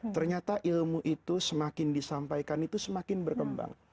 ternyata ilmu itu semakin disampaikan itu semakin berkembang